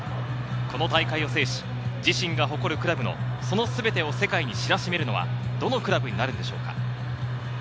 この大会を制し自身が誇るクラブの、その全てを世界に知らしめるのはどのクラブになるでしょうか。